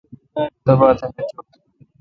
تباتھ نہ چو۔